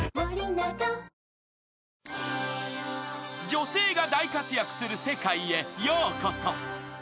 ［女性が大活躍する世界へようこそ］